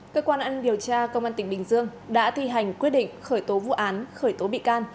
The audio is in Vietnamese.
cơ quan ăn điều tra công an tỉnh bình dương đã thi hành quyết định khởi tố vụ án khởi tố bị can